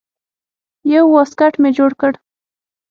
يو واسکټ مې جوړ کړ.